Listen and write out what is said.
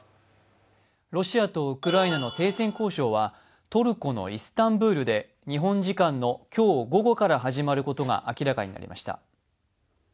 ロシアとウクライナの停戦交渉はトルコのイスタンブールで日本の今日午後から始まることが明らかになりました。